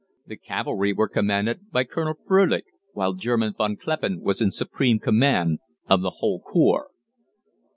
The cavalry were commanded by Colonel Frölich, while General von Kleppen was in supreme command of the whole corps.